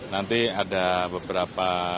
nanti ada beberapa